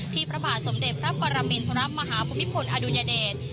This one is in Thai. ที่พระบาทสมเด็จพระปรามิณฑรับมหาภุพิพลอดุญเดช